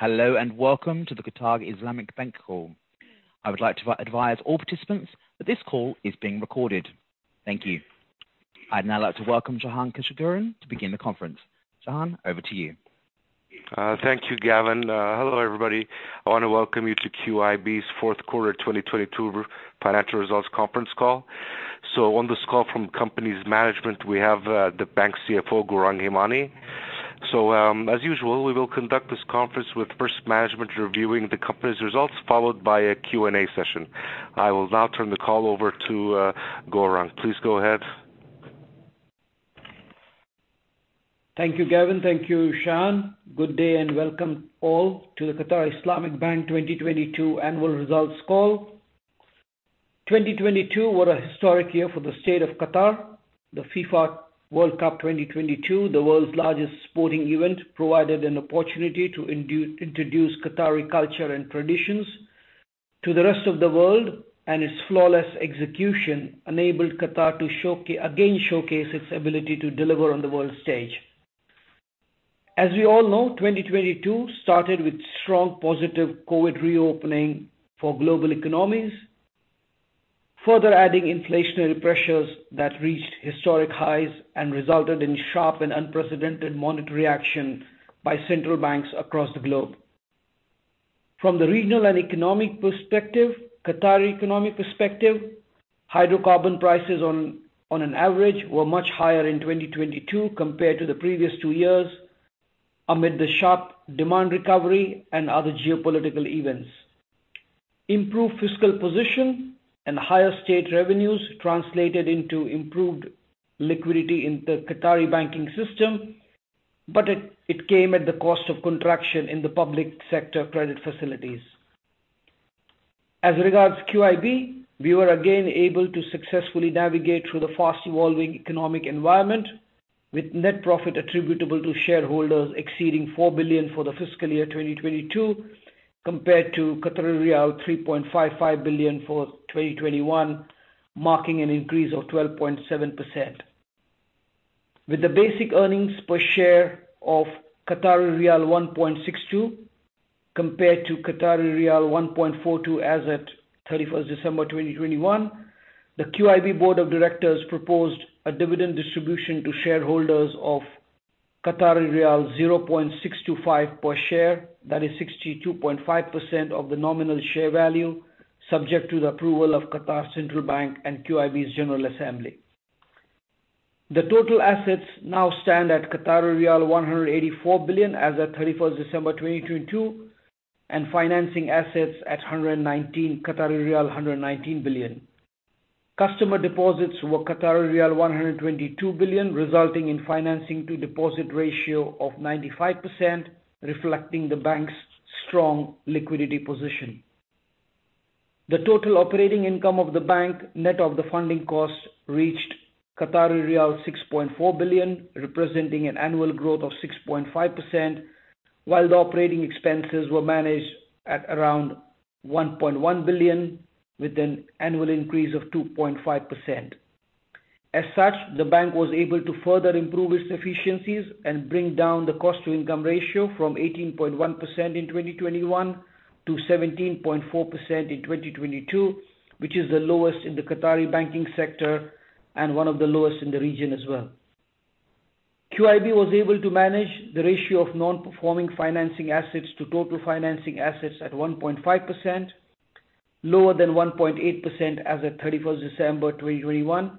Hello. Welcome to the Qatar Islamic Bank call. I would like to advise all participants that this call is being recorded. Thank you. I'd now like to welcome Shahan Keushgerian to begin the conference. Shahan over to you. Thank you, Gavin. Hello, everybody. I wanna welcome you to QIB's fourth quarter, 2022 financial results conference call. On this call from company's management, we have the bank CFO, Gourang Hemani. As usual, we will conduct this conference with first management reviewing the company's results, followed by a Q&A session. I will now turn the call over to Gaurang. Please go ahead. Thank you, Gavin. Thank you, Jahan. Good day and welcome all to the Qatar Islamic Bank 2022 annual results call. 2022 were a historic year for the state of Qatar. The FIFA World Cup 2022, the world's largest sporting event, provided an opportunity to introduce Qatari culture and traditions to the rest of the world. Its flawless execution enabled Qatar to again, showcase its ability to deliver on the world stage. As we all know, 2022 started with strong positive COVID reopening for global economies, further adding inflationary pressures that reached historic highs and resulted in sharp and unprecedented monetary action by central banks across the globe. From the regional and economic perspective, Qatari economic perspective, hydrocarbon prices on an average were much higher in 2022 compared to the previous 2 years amid the sharp demand recovery and other geopolitical events. Improved fiscal position and higher state revenues translated into improved liquidity in the Qatari banking system, it came at the cost of contraction in the public sector credit facilities. As regards QIB, we were again able to successfully navigate through the fast evolving economic environment with net profit attributable to shareholders exceeding 4 billion for the fiscal year 2022 compared to 3.55 billion for 2021, marking an increase of 12.7%. With the basic earnings per share of 1.62 compared to 1.42 as at 31st December 2021, the QIB board of directors proposed a dividend distribution to shareholders of 0.625 per share. That is 62.5% of the nominal share value, subject to the approval of Qatar Central Bank and QIB's general assembly. The total assets now stand at 184 billion as at 31st December 2022, and financing assets at QAR 119 billion. Customer deposits were 122 billion, resulting in financing to deposit ratio of 95%, reflecting the bank's strong liquidity position. The total operating income of the bank, net of the funding cost, reached Qatari riyal 6.4 billion, representing an annual growth of 6.5%, while the operating expenses were managed at around 1.1 billion with an annual increase of 2.5%. As such, the bank was able to further improve its efficiencies and bring down the cost to income ratio from 18.1% in 2021 to 17.4% in 2022, which is the lowest in the Qatari banking sector and one of the lowest in the region as well. QIB was able to manage the ratio of Non-Performing Financings assets to total financing assets at 1.5%, lower than 1.8% as at 31st December 2021,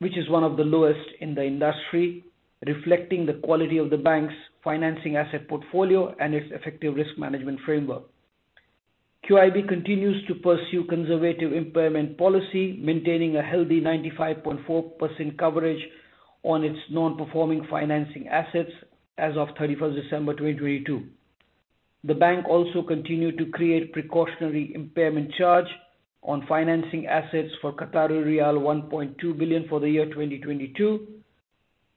which is one of the lowest in the industry, reflecting the quality of the bank's financing asset portfolio and its effective risk management framework. QIB continues to pursue conservative impairment policy, maintaining a healthy 95.4% coverage on its Non-Performing Financings assets as of 31st December 2022. The bank also continued to create precautionary impairment charge on financing assets for Qatari riyal 1.2 billion for the year 2022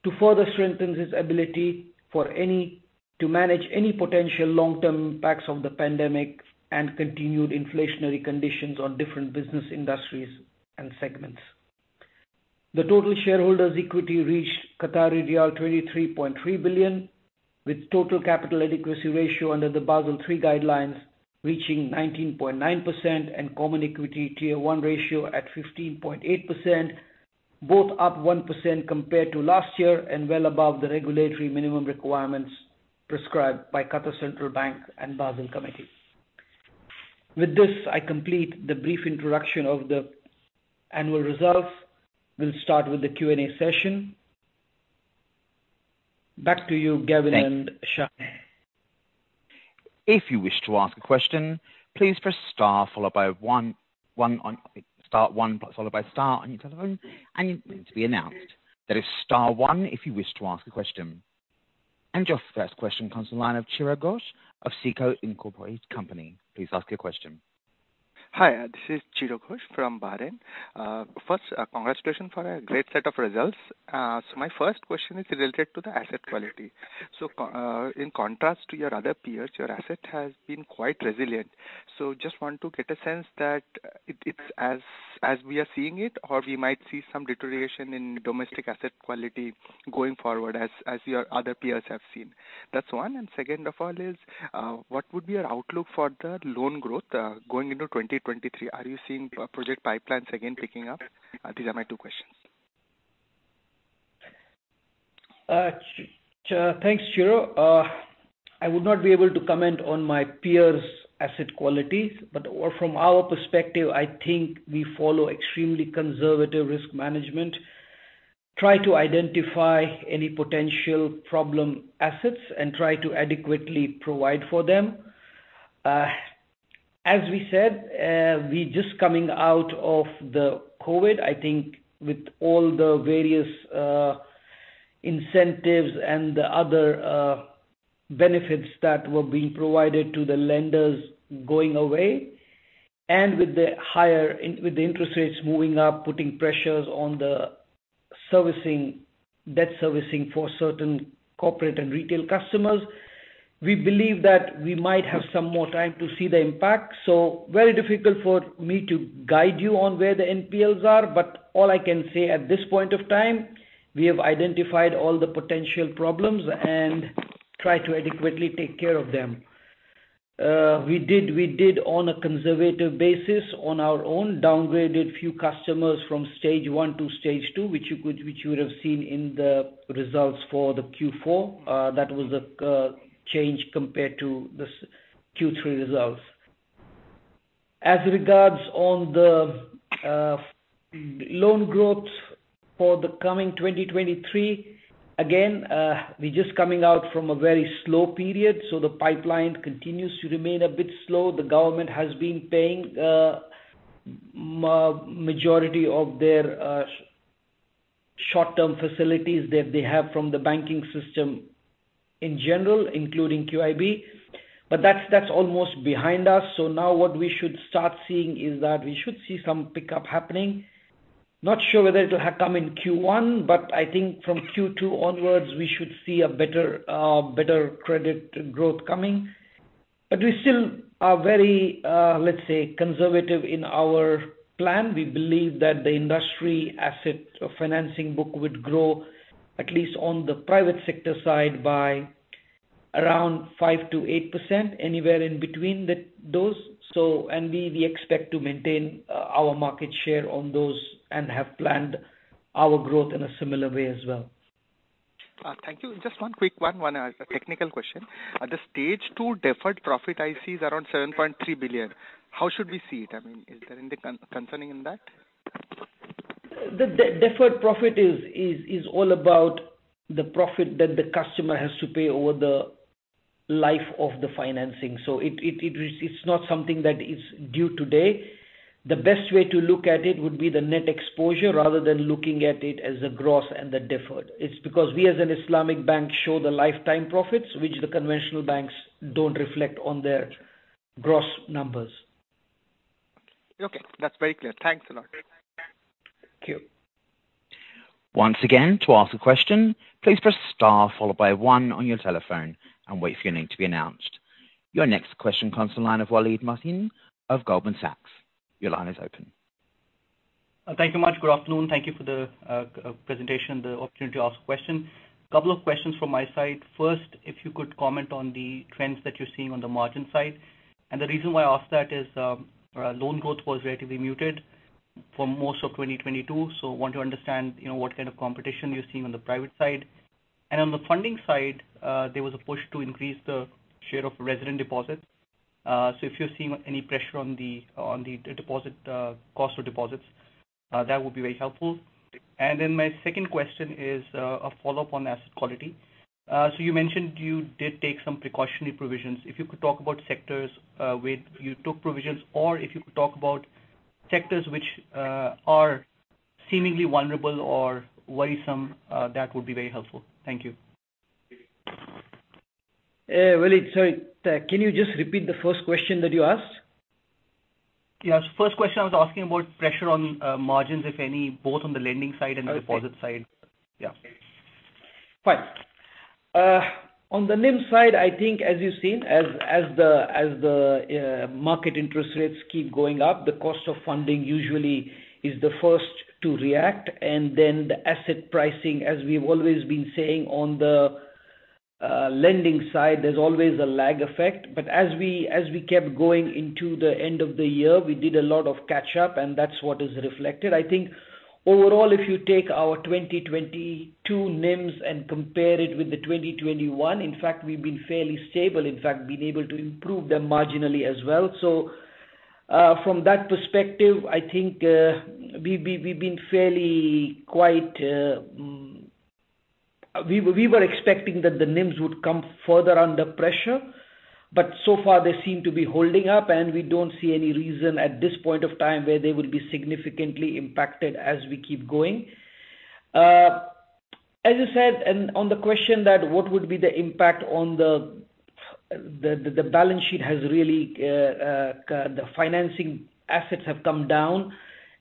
to further strengthen its ability for any to manage any potential long-term impacts of the pandemic and continued inflationary conditions on different business industries and segments. The total shareholders' equity reached 23.3 billion, with total capital adequacy ratio under the Basel III guidelines reaching 19.9% and common equity Tier 1 ratio at 15.8%, both up 1% compared to last year and well above the regulatory minimum requirements prescribed by Qatar Central Bank and Basel Committee. With this, I complete the brief introduction of the annual results. We'll start with the Q&A session. Back to you, Gavin and Jahan. If you wish to ask a question, please press star followed by one. Star one followed by star on your telephone, and you'll be announced. That is star one if you wish to ask a question. Your first question comes from line of Chiradeep Ghosh of SICO. Please ask your question. Hi, this is Chiradeep Ghosh from Bahrain. First, congratulations for a great set of results. My first question is related to the asset quality. In contrast to your other peers, your asset has been quite resilient. Just want to get a sense that, it's as we are seeing it, or we might see some deterioration in domestic asset quality going forward as your other peers have seen. That's one. Second of all is, what would be your outlook for the loan growth going into 2023? Are you seeing project pipelines again picking up? These are my two questions. Thanks, Shiro. I would not be able to comment on my peers' asset quality, from our perspective, I think we follow extremely conservative risk management, try to identify any potential problem assets and try to adequately provide for them. As we said, we just coming out of the COVID, I think, with all the various incentives and the other benefits that were being provided to the lenders going away and with the interest rates moving up, putting pressures on the servicing, debt servicing for certain corporate and retail customers. We believe that we might have some more time to see the impact, so very difficult for me to guide you on where the NPLs are. All I can say at this point of time, we have identified all the potential problems and try to adequately take care of them. We did on a conservative basis on our own downgraded few customers from Stage 1 to Stage 2, which you would have seen in the results for the Q4. That was the change compared to the Q3 results. As regards on the loan growth for the coming 2023, again, we're just coming out from a very slow period, so the pipeline continues to remain a bit slow. The government has been paying majority of their short term facilities that they have from the banking system in general, including QIB. That's, that's almost behind us, so now what we should start seeing is that we should see some pickup happening. Not sure whether it'll come in Q1, but I think from Q2 onwards, we should see a better credit growth coming. We still are very, let's say, conservative in our plan. We believe that the industry asset financing book would grow at least on the private sector side by around 5%-8%, anywhere in between the those. We, we expect to maintain, our market share on those and have planned our growth in a similar way as well. Thank you. Just one quick one technical question. At the Stage 2 deferred profit ICs around 7.3 billion, how should we see it? I mean, is there any concerning in that? The deferred profit is all about the profit that the customer has to pay over the life of the financing. It's not something that is due today. The best way to look at it would be the net exposure rather than looking at it as the gross and the deferred. It's because we as an Islamic bank show the lifetime profits which the conventional banks don't reflect on their gross numbers. Okay, that's very clear. Thanks a lot. Thank you. Once again, to ask a question, please press star followed by one on your telephone and wait for your name to be announced. Your next question comes to line of Waleed Mohsin of Goldman Sachs. Your line is open. Thank you much. Good afternoon. Thank you for the presentation, the opportunity to ask question. Couple of questions from my side. First, if you could comment on the trends that you're seeing on the margin side. The reason why I ask that is, loan growth was relatively muted for most of 2022. Want to understand, you know, what kind of competition you're seeing on the private side. On the funding side, there was a push to increase the share of resident deposits. If you're seeing any pressure on the deposit, cost of deposits, that would be very helpful. My second question is a follow-up on asset quality. You mentioned you did take some precautionary provisions. If you could talk about sectors, where you took provisions or if you could talk about sectors which, are seemingly vulnerable or worrisome, that would be very helpful. Thank you. Waleed. Sorry. Can you just repeat the first question that you asked? First question I was asking about pressure on margins, if any, both on the lending side and the deposit side. Okay. Yeah. Fine. On the NIM side, I think as you've seen, as the market interest rates keep going up, the cost of funding usually is the first to react and then the asset pricing, as we've always been saying on the lending side, there's always a lag effect. As we kept going into the end of the year, we did a lot of catch up, and that's what is reflected. I think overall, if you take our 2022 NIMs and compare it with the 2021, in fact, we've been fairly stable, in fact, been able to improve them marginally as well. From that perspective, I think we've been fairly quite. We were expecting that the NIMs would come further under pressure, but so far they seem to be holding up, and we don't see any reason at this point of time where they will be significantly impacted as we keep going. As you said, on the question that what would be the impact on the balance sheet has really the financing assets have come down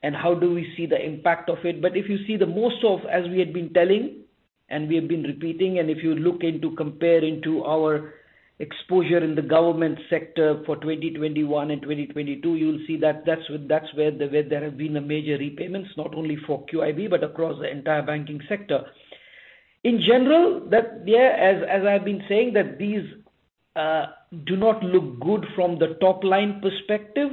and how do we see the impact of it? If you see the most of as we had been telling and we have been repeating, and if you look into comparing to our exposure in the government sector for 2021 and 2022, you'll see that that's where the, where there have been a major repayments not only for QIB but across the entire banking sector. In general, that, yeah, as I've been saying that these do not look good from the top line perspective,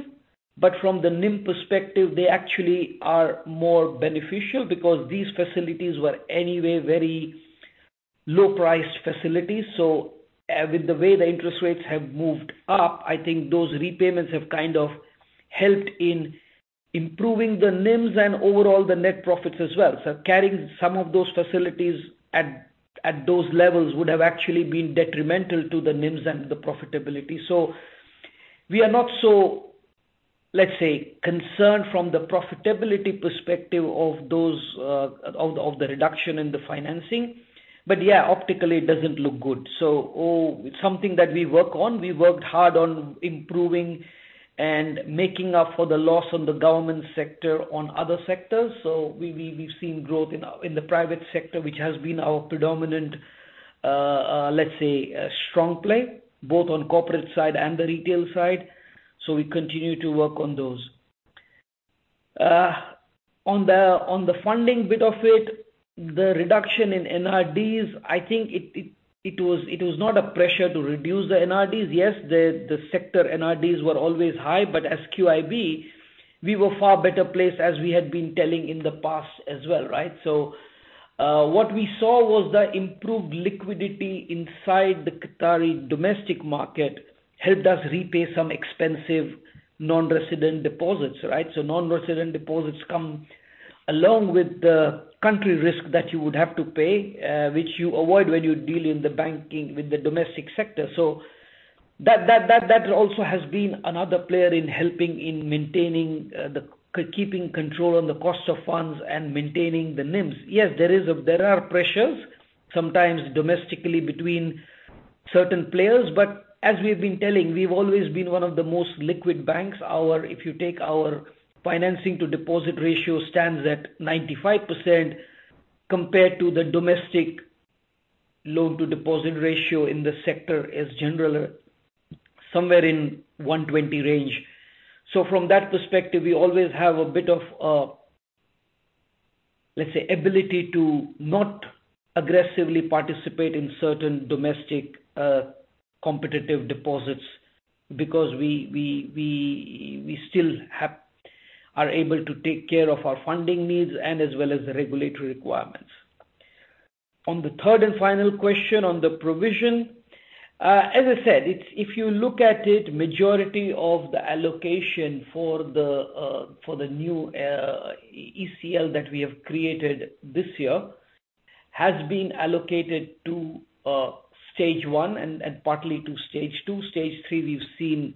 but from the NIM perspective, they actually are more beneficial because these facilities were anyway very low priced facilities. With the way the interest rates have moved up, I think those repayments have kind of helped in improving the NIMs and overall the net profits as well. Carrying some of those facilities at those levels would have actually been detrimental to the NIMs and the profitability. We are not so, let's say, concerned from the profitability perspective of those, of the reduction in the financing. Yeah, optically it doesn't look good. It's something that we work on. We worked hard on improving and making up for the loss on the government sector on other sectors. We've seen growth in the private sector, which has been our predominant, let's say, strong play, both on corporate side and the retail side. We continue to work on those. On the, on the funding bit of it, the reduction in NRDs, I think it was not a pressure to reduce the NRDs. Yes, the sector NRDs were always high, but as QIB, we were far better placed, as we had been telling in the past as well, right? What we saw was the improved liquidity inside the Qatari domestic market helped us repay some expensive non-resident deposits, right? Non-resident deposits come along with the country risk that you would have to pay, which you avoid when you deal in the banking with the domestic sector. That also has been another player in helping in maintaining the keeping control on the cost of funds and maintaining the NIMs. Yes, there are pressures, sometimes domestically between certain players. As we've been telling, we've always been one of the most liquid banks. Our... if you take our financing to deposit ratio stands at 95% compared to the domestic loan-to-deposit ratio in the sector is generally somewhere in 120 range. From that perspective, we always have a bit of, let's say, ability to not aggressively participate in certain domestic, competitive deposits because we are able to take care of our funding needs and as well as the regulatory requirements. On the third and final question on the provision, as I said, it's if you look at it, majority of the allocation for the new ECL that we have created this year has been allocated to Stage 1 and partly to Stage 2. Stage 3, we've seen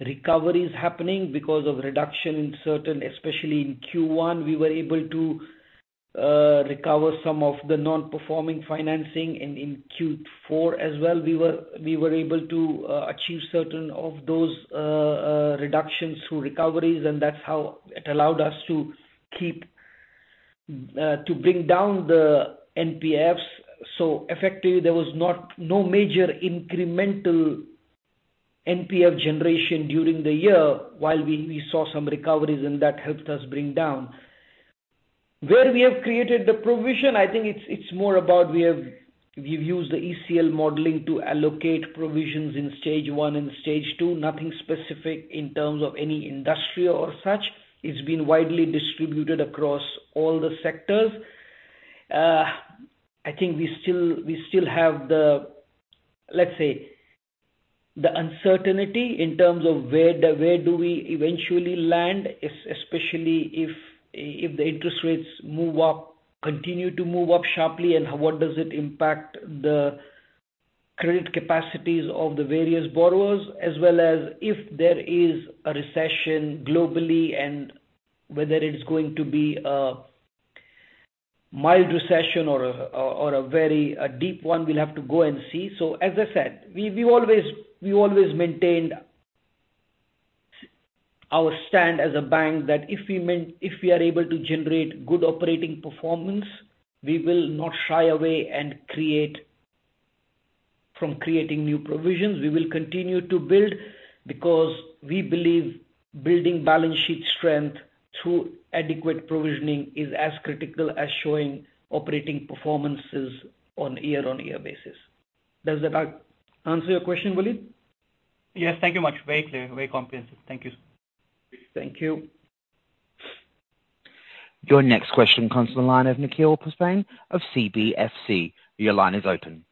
recoveries happening because of reduction in certain, especially in Q1, we were able to recover some of the Non-Performing Financings. In Q4 as well, we were able to achieve certain of those reductions through recoveries, and that's how it allowed us to keep to bring down the NPFs. Effectively, there was no major incremental NPF generation during the year while we saw some recoveries and that helped us bring down. Where we have created the provision, I think it's more about we have... we've used the ECL modeling to allocate provisions in Stage 1 and Stage 2. Nothing specific in terms of any industrial or such. It's been widely distributed across all the sectors. I think we still have the, let's say, the uncertainty in terms of where do we eventually land especially if the interest rates move up, continue to move up sharply, and what does it impact the credit capacities of the various borrowers. As well as if there is a recession globally and whether it's going to be a mild recession or a very deep one, we'll have to go and see. As I said, we've always maintained our stand as a bank that if we are able to generate good operating performance, we will not shy away from creating new provisions. We will continue to build because we believe building balance sheet strength through adequate provisioning is as critical as showing operating performances on year-over-year basis. Does that answer your question, Waleed? Yes. Thank you much. Very clear, very comprehensive. Thank you. Thank you. Your next question comes from the line of Nikhil Potdar of QNB Financial Services. Your line is open.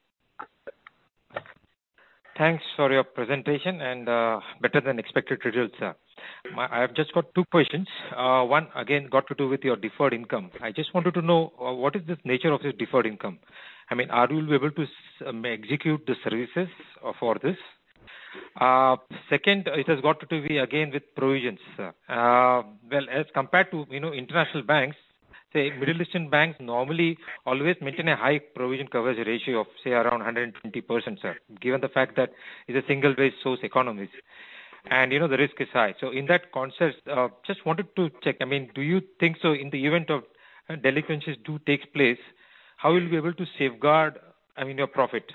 Thanks for your presentation, better than expected results, sir. I've just got two questions. One again got to do with your deferred income. I just wanted to know what is the nature of your deferred income? I mean, are you able to execute the services for this? Second, it has got to do with again, with provisions, sir. Well, as compared to, you know, international banks, say Middle Eastern banks normally always maintain a high provision coverage ratio of say around 120%, sir, given the fact that it's a single rate source economies and, you know, the risk is high. In that concept, just wanted to check. I mean, do you think so in the event of delinquencies do take place, how will you be able to safeguard, I mean, your profit?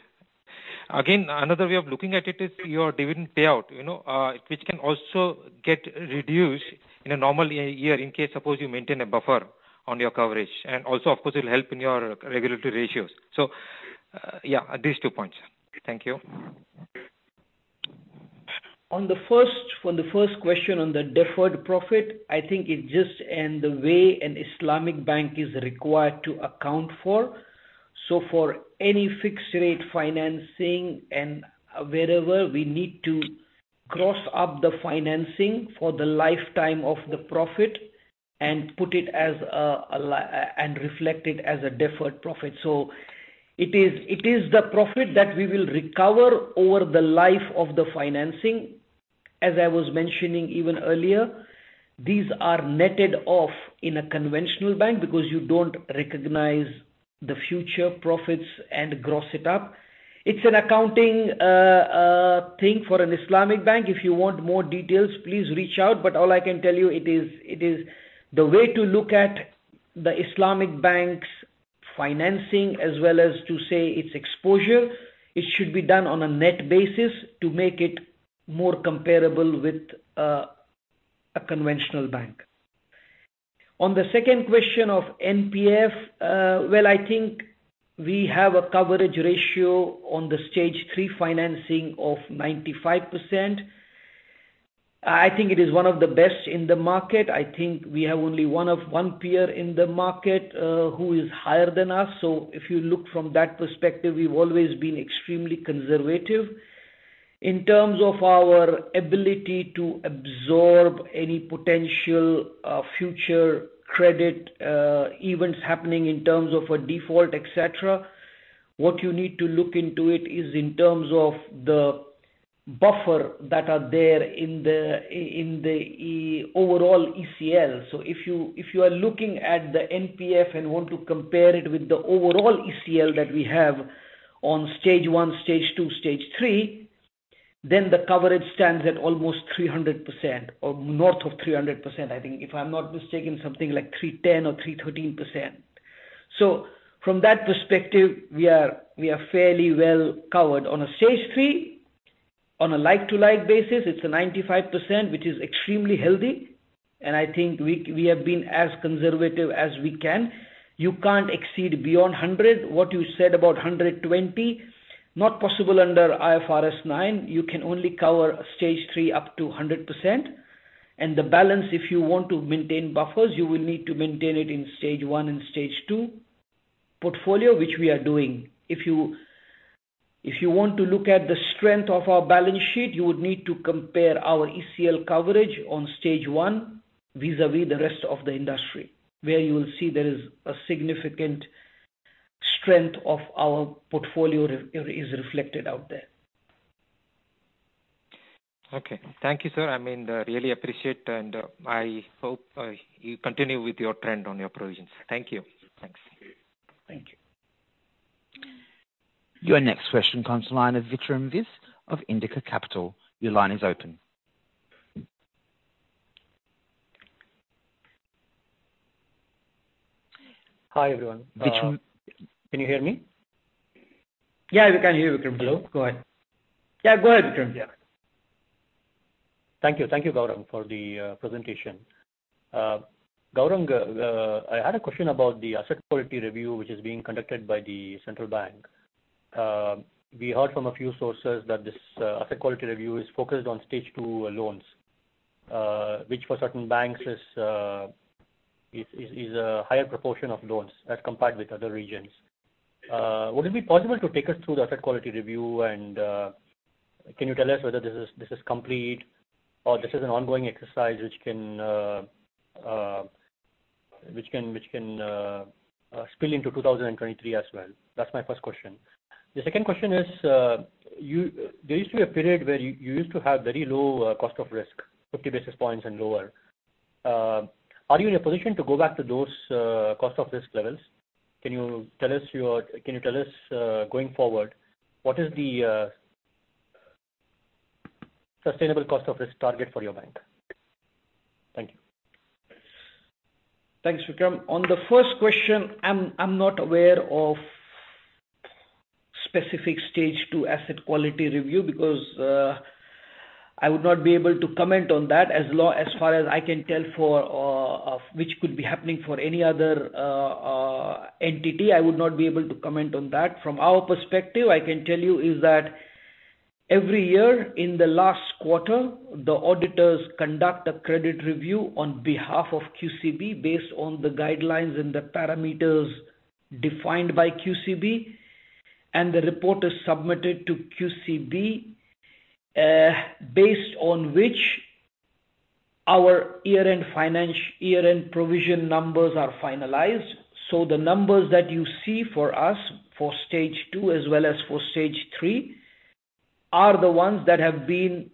Another way of looking at it is your dividend payout, you know, which can also get reduced in a normal year in case suppose you maintain a buffer on your coverage, and also of course it'll help in your regulatory ratios. Yeah, these two points. Thank you. On the first question on the deferred profit, I think it just the way an Islamic bank is required to account for. For any fixed rate financing and wherever we need to cross up the financing for the lifetime of the profit and put it as and reflect it as a deferred profit. It is the profit that we will recover over the life of the financing. As I was mentioning even earlier, these are netted off in a conventional bank because you don't recognize the future profits and gross it up. It's an accounting thing for an Islamic bank. If you want more details, please reach out, all I can tell you it is the way to look at the Islamic bank's financing as well as to say its exposure. It should be done on a net basis to make it more comparable with a conventional bank. On the second question of NPF, well, I think we have a coverage ratio on the Stage 3 financing of 95%. I think it is one of the best in the market. I think we have only one of one peer in the market who is higher than us. If you look from that perspective, we've always been extremely conservative. In terms of our ability to absorb any potential future credit events happening in terms of a default, et cetera, what you need to look into it is in terms of the buffer that are there in the overall ECL. If you are looking at the NPF and want to compare it with the overall ECL that we have on Stage 1, Stage 2, Stage 3, the coverage stands at almost 300% or north of 300%, I think. If I'm not mistaken, something like 310 or 313%. From that perspective, we are fairly well covered. On a Stage 3, on a like-to-like basis, it's a 95%, which is extremely healthy, and I think we have been as conservative as we can. You can't exceed beyond 100. What you said about 120, not possible under IFRS 9. You can only cover Stage 3 up to 100%. The balance, if you want to maintain buffers, you will need to maintain it in Stage 1 and Stage 2 portfolio, which we are doing. If you want to look at the strength of our balance sheet, you would need to compare our ECL coverage on Stage 1 vis-à-vis the rest of the industry, where you will see there is a significant strength of our portfolio is reflected out there. Okay. Thank you, sir. I mean, really appreciate, and I hope you continue with your trend on your provisions. Thank you. Thanks. Thank you. Your next question comes line of Vikram Viswanathan of Arqaam Capital. Your line is open. Hi, everyone. Vikram- Can you hear me? Yeah. We can hear you, Vikram. Hello. Go ahead. Yeah, go ahead, Vikram. Yeah. Thank you. Thank you, Gaurang, for the presentation. Gaurang, I had a question about the asset quality review which is being conducted by the central bank. We heard from a few sources that this asset quality review is focused on Stage 2 loans, which for certain banks is a higher proportion of loans as compared with other regions. Would it be possible to take us through the asset quality review and can you tell us whether this is complete or this is an ongoing exercise which can, which can, which can spill into 2023 as well? That's my first question. The second question is, you... There used to be a period where you used to have very low cost of risk, 50 basis points and lower. Are you in a position to go back to those cost of risk levels? Can you tell us, going forward, what is the sustainable cost of risk target for your bank? Thank you. Thanks, Vikram. On the first question, I'm not aware of specific Stage 2 asset quality review because I would not be able to comment on that. As far as I can tell for of which could be happening for any other entity, I would not be able to comment on that. From our perspective, I can tell you is that every year in the last quarter, the auditors conduct a credit review on behalf of QCB based on the guidelines and the parameters defined by QCB, and the report is submitted to QCB based on which our year-end provision numbers are finalized. The numbers that you see for us for Stage 2 as well as for Stage 3 are the ones that have been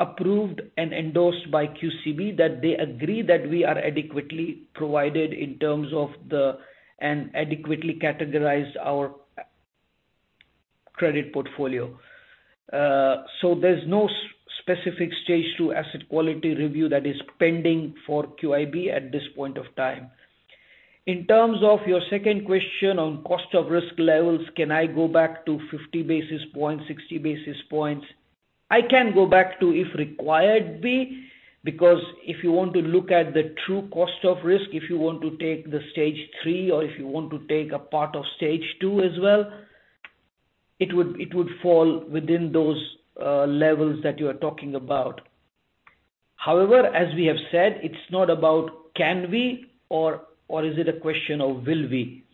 approved and endorsed by QCB, that they agree that we are adequately provided in terms of the and adequately categorize our credit portfolio. There's no specific Stage 2 asset quality review that is pending for QIB at this point of time. In terms of your second question on cost of risk levels, can I go back to 50 basis points, 60 basis points? I can go back to if required be because if you want to look at the true cost of risk, if you want to take the Stage 3 or if you want to take a part of Stage 2 as well, it would fall within those levels that you are talking about. However, as we have said, it's not about can we or is it a question of will we.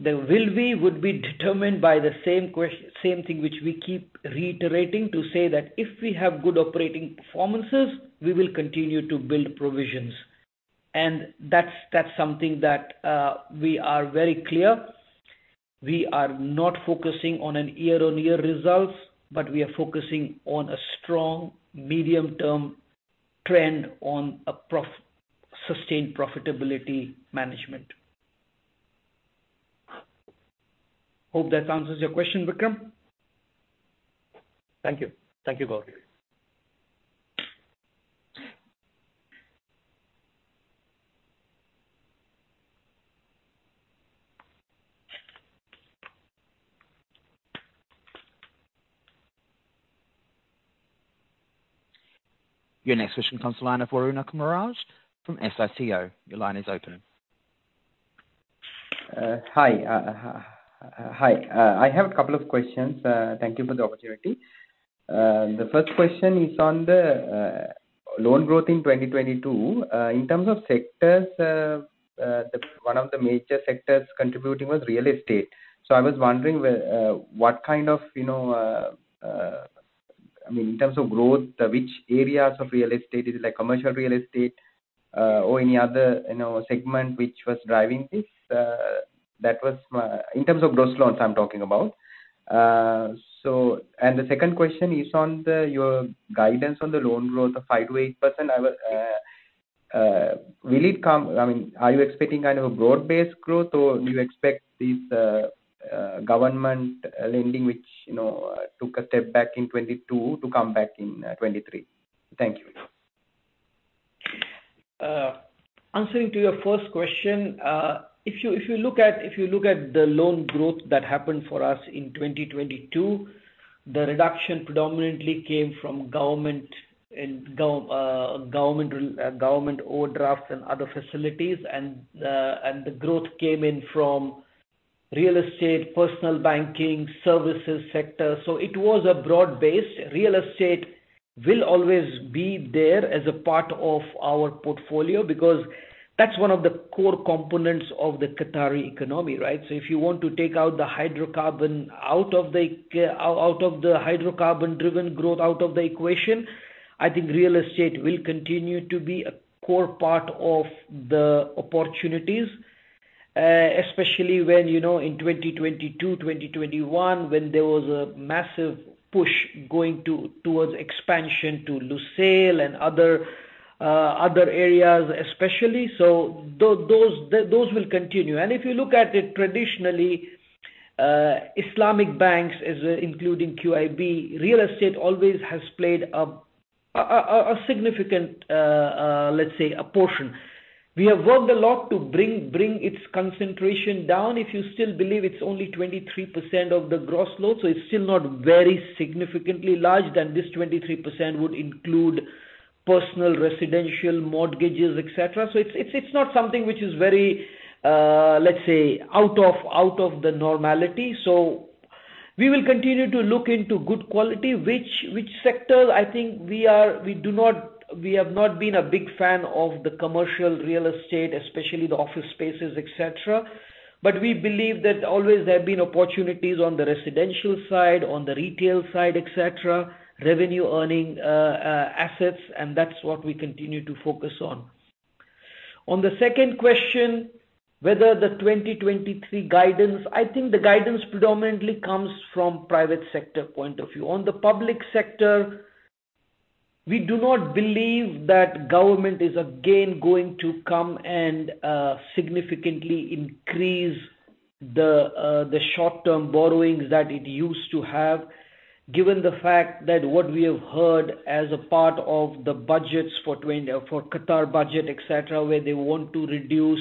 The will we would be determined by the same thing which we keep reiterating to say that if we have good operating performances, we will continue to build provisions. That's something that we are very clear. We are not focusing on a year-on-year results, but we are focusing on a strong medium-term trend on a sustained profitability management. Hope that answers your question, Vikram. Thank you. Thank you, Gourang. Your next question comes the line of Arun Kumar from SICO. Your line is open. Hi. Hi. I have a couple of questions. Thank you for the opportunity. The first question is on the loan growth in 2022. In terms of sectors, the one of the major sectors contributing was real estate. I was wondering where, what kind of, you know, I mean, in terms of growth, which areas of real estate is like commercial real estate, or any other, you know, segment which was driving this? That was my... In terms of gross loans, I'm talking about. The second question is on the, your guidance on the loan growth of 5%-8%. will it come... I mean, are you expecting kind of a broad-based growth, or do you expect this, government lending which, you know, took a step back in 2022 to come back in 2023? Thank you. Answering to your first question, if you look at the loan growth that happened for us in 2022, the reduction predominantly came from government and government overdraft and other facilities and the growth came in from real estate, personal banking, services sector. It was a broad base. Real estate will always be there as a part of our portfolio because that's one of the core components of the Qatari economy, right? If you want to take out the hydrocarbon out of the hydrocarbon-driven growth out of the equation, I think real estate will continue to be a core part of the opportunities, especially when, you know, in 2022, 2021, when there was a massive push going to, towards expansion to Lusail and other areas especially. Those will continue. If you look at it traditionally, Islamic banks as including QIB, real estate always has played a significant, let's say, a portion. We have worked a lot to bring its concentration down. If you still believe it's only 23% of the gross loans, so it's still not very significantly large, then this 23% would include personal residential mortgages, et cetera. It's not something which is very, let's say, out of the normality. We will continue to look into good quality. Which sector? I think we have not been a big fan of the commercial real estate, especially the office spaces, et cetera. We believe that always there have been opportunities on the residential side, on the retail side, et cetera, revenue earning assets, and that's what we continue to focus on. On the second question, whether the 2023 guidance. I think the guidance predominantly comes from private sector point of view. On the public sector, we do not believe that government is again going to come and significantly increase the short-term borrowings that it used to have. Given the fact that what we have heard as a part of the budgets for Qatar budget, et cetera, where they want to reduce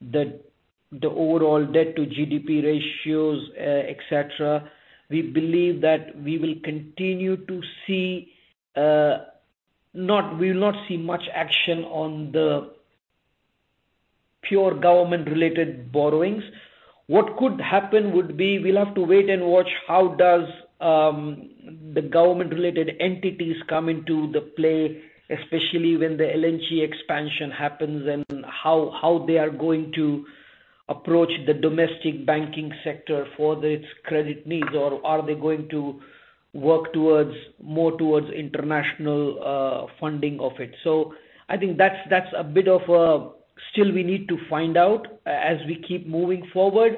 the overall debt-to-GDP ratios, et cetera, we believe that we will continue to see, we'll not see much action on the pure government-related borrowings. What could happen would be we'll have to wait and watch how does the government-related entities come into the play, especially when the LNG expansion happens, and how they are going to approach the domestic banking sector for its credit needs, or are they going to work towards, more towards international funding of it. I think that's a bit of still we need to find out as we keep moving forward.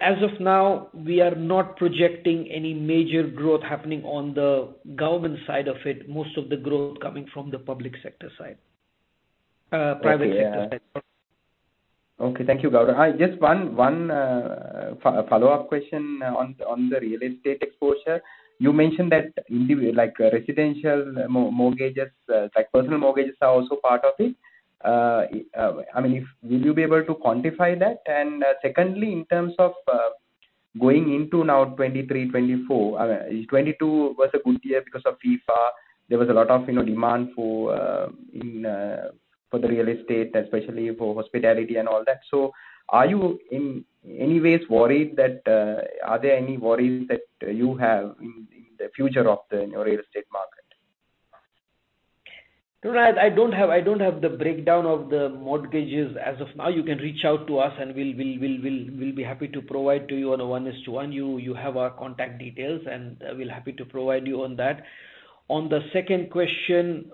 As of now, we are not projecting any major growth happening on the government side of it, most of the growth coming from the public sector side. private sector side, sorry. Okay. Thank you, Gaurav. Just one follow-up question on the real estate exposure. You mentioned that like residential mortgages, like personal mortgages are also part of it. I mean, will you be able to quantify that? Secondly, in terms of going into now 2023, 2024, 2022 was a good year because of FIFA. There was a lot of, you know, demand for the real estate, especially for hospitality and all that. Are you in any ways worried that are there any worries that you have in the future of the, you know, real estate market? Raj, I don't have the breakdown of the mortgages as of now. You can reach out to us. We'll be happy to provide to you on a one is to one. You have our contact details. We'll happy to provide you on that. On the second question,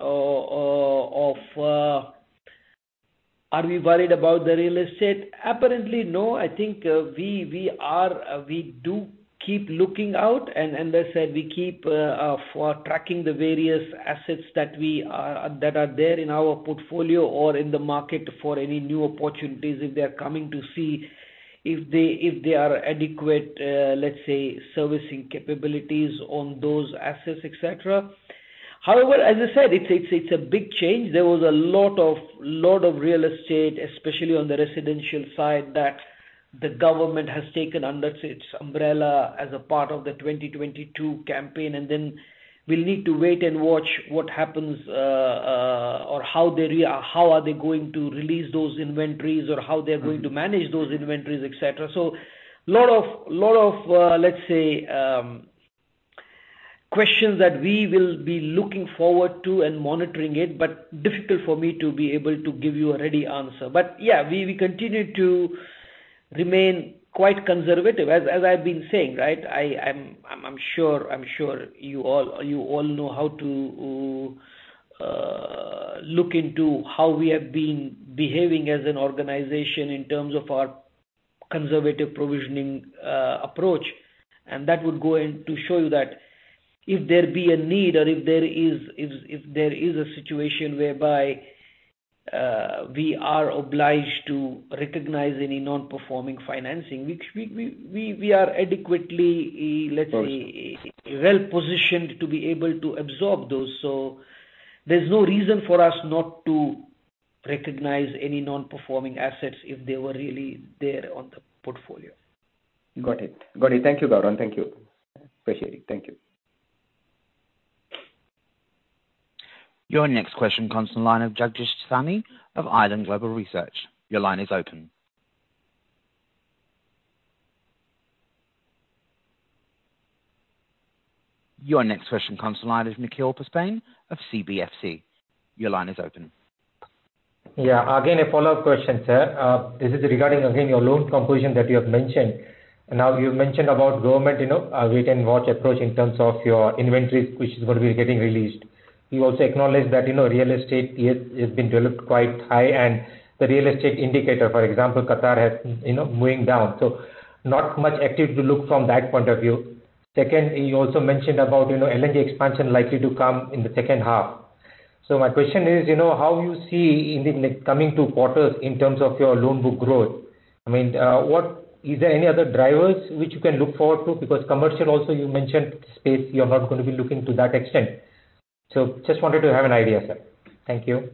are we worried about the real estate? Apparently, no. I think we do keep looking out and as I said, we keep for tracking the various assets that we that are there in our portfolio or in the market for any new opportunities if they are coming to see if they are adequate, let's say, servicing capabilities on those assets, et cetera. As I said, it's a big change. There was a lot of, lot of real estate, especially on the residential side, that the government has taken under its umbrella as a part of the 2022 campaign. Then we'll need to wait and watch what happens, or how are they going to release those inventories or how they're going to manage those inventories, et cetera. A lot of, lot of, let's say, questions that we will be looking forward to and monitoring it, but difficult for me to be able to give you a ready answer. Yeah, we continue to remain quite conservative, as I've been saying, right? I'm sure you all know how to look into how we have been behaving as an organization in terms of our conservative provisioning approach. That would go in to show you that if there be a need or if there is a situation whereby we are obliged to recognize any Non-Performing Financings, which we are adequately, let's say, well-positioned to be able to absorb those. There's no reason for us not to recognize any non-performing assets if they were really there on the portfolio. Got it. Thank you, Gourang. Thank you. Appreciate it. Thank you. Your next question comes to line of Jaap Meijer of Arqaam Capital. Your line is open. Your next question comes to line of Nikhil Potdar of QNB Financial Services Your line is open. Again, a follow-up question, sir. This is regarding, again, your loan composition that you have mentioned. You've mentioned about government, you know, wait and watch approach in terms of your inventories, which is going to be getting released. You also acknowledged that, you know, real estate, it has been developed quite high, and the real estate indicator, for example, Qatar has, you know, going down. Not much active to look from that point of view. You also mentioned about, you know, LNG expansion likely to come in the second half. My question is, you know, how you see in the coming two quarters in terms of your loan book growth? I mean, what is there any other drivers which you can look forward to? Commercial also you mentioned space you're not gonna be looking to that extent. Just wanted to have an idea, sir. Thank you.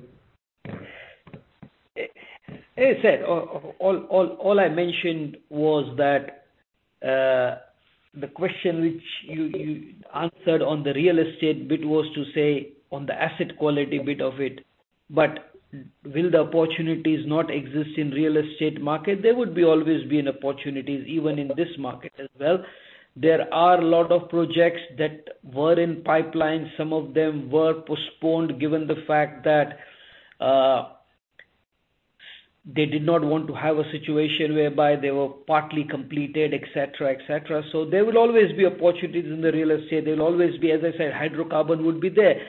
As I said, all I mentioned was that, the question which you answered on the real estate bit was to say on the asset quality bit of it. Will the opportunities not exist in real estate market? There would be always be an opportunities even in this market as well. There are a lot of projects that were in pipeline. Some of them were postponed given the fact that, they did not want to have a situation whereby they were partly completed, et cetera, et cetera. There will always be opportunities in the real estate. There'll always be, as I said, hydrocarbon would be there.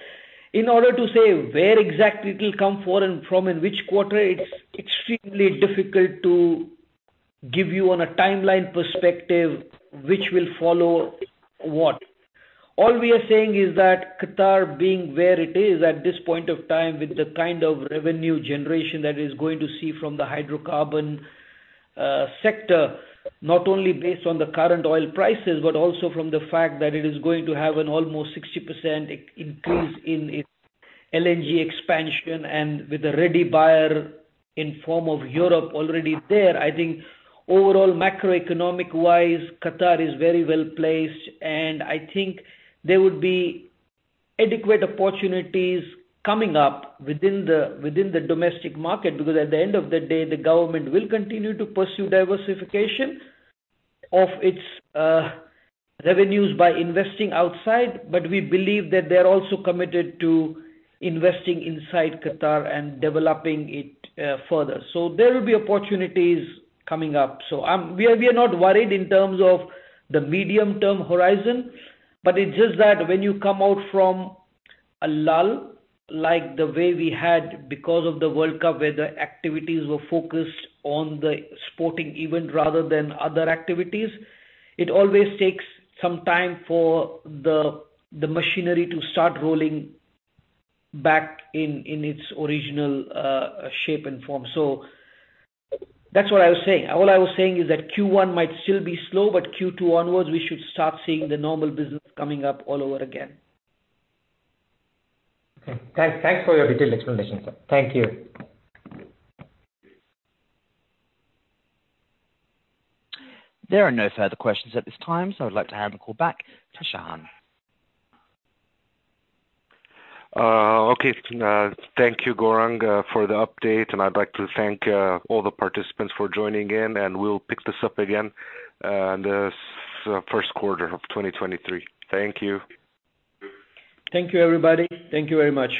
In order to say where exactly it'll come for and from and which quarter, it's extremely difficult to give you on a timeline perspective which will follow what. All we are saying is that Qatar being where it is at this point of time with the kind of revenue generation that is going to see from the hydrocarbon sector, not only based on the current oil prices but also from the fact that it is going to have an almost 60% increase in its LNG expansion and with a ready buyer in form of Europe already there. I think overall macroeconomic-wise, Qatar is very well-placed, and I think there would be adequate opportunities coming up within the domestic market. At the end of the day, the government will continue to pursue diversification of its revenues by investing outside. We believe that they're also committed to investing inside Qatar and developing it further. There will be opportunities coming up. I'm. we are not worried in terms of the medium-term horizon. It's just that when you come out from a lull, like the way we had because of the World Cup, where the activities were focused on the sporting event rather than other activities, it always takes some time for the machinery to start rolling back in its original shape and form. That's what I was saying. All I was saying is that Q1 might still be slow, Q2 onwards, we should start seeing the normal business coming up all over again. Okay. Thanks. Thanks for your detailed explanation, sir. Thank you. There are no further questions at this time, so I'd like to hand the call back to Shahan. Okay. Thank you, Gaurang, for the update, and I'd like to thank all the participants for joining in, and we'll pick this up again, in the first quarter of 2023. Thank you. Thank you, everybody. Thank you very much.